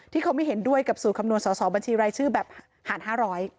ที่เขาไม่เห็นด้วยกับสูตรคำนวณสอสอบัญชีรายชื่อแบบหาร๕๐๐